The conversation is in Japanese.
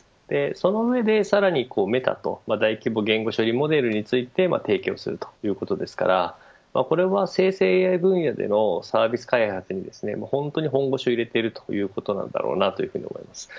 その上でさらにメタと大規模言語処理モデルについて提供するということですからこれは生成ＡＩ分野でのサービス開発に本当に本腰を入れているということだと思います。